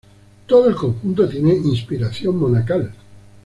Todo el conjunto tiene inspiración monacal.